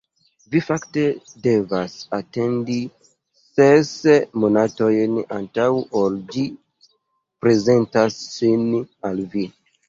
Vi fakte devas atendi ses monatojn, antaŭ ol ĝi prezentas sin al vi.